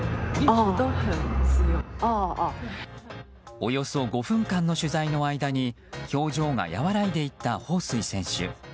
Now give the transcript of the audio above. およそ５分間の取材の間に表情が和らいでいったホウ・スイ選手。